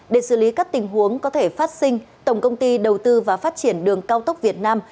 để xử lý các tình huống có thể phát sinh tổng công ty đầu tư và phát triển đường cao tốc việt nam